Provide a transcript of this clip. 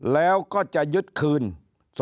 แล้วก็จะยึดคืน